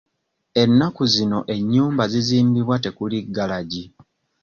Ennaku zino ennyumba zizimbibwa tekuli garagi.